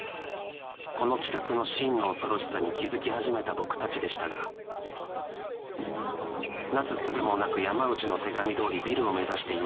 この企画の真の恐ろしさに気付き始めた僕たちでしたがなすすべもなく山内の手紙どおりビルを目指していました